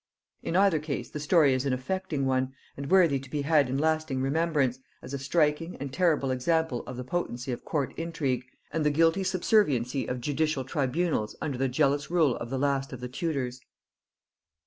In either case the story is an affecting one, and worthy to be had in lasting remembrance, as a striking and terrible example of the potency of court intrigue, and the guilty subserviency of judicial tribunals under the jealous rule of the last of the Tudors.